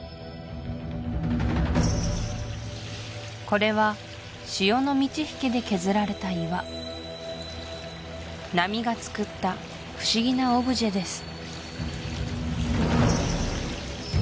これは潮の満ち引きで削られた岩波がつくった不思議なオブジェです